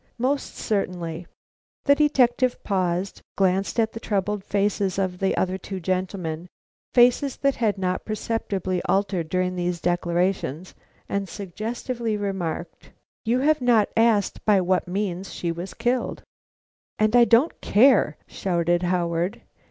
"Most certainly." The detective paused, glanced at the troubled faces of the other two gentlemen, faces that had not perceptibly altered during these declarations, and suggestively remarked: "You have not asked by what means she was killed." "And I don't care," shouted Howard.